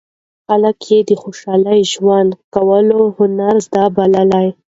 خلک یې د خوشاله ژوند کولو هنر زده بللی.